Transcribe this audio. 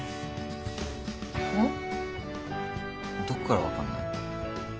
どこから分かんない？